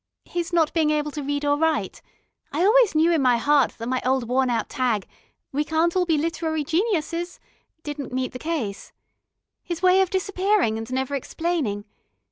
His not being able to read or write I always knew in my heart that my old worn out tag 'We can't all be literary geniuses' didn't meet the case. His way of disappearing and never explaining....